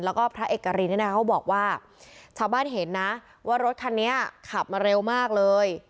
แล้วก็พระเอกรินเนี่ยนะคะเขาบอกว่าชาวบ้านเห็นนะว่ารถคันนี้ขับมาเร็วมากเลย